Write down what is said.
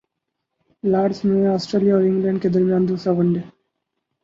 Lords میں Australia اور England کے درمیان دوسرا ون ڈے